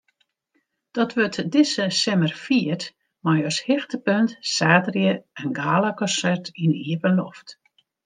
Dat wurdt dizze simmer fierd mei as hichtepunt saterdei in galakonsert yn de iepenloft.